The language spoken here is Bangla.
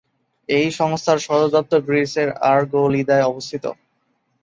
এই সংস্থার সদর দপ্তর গ্রিসের আরগোলিদায় অবস্থিত।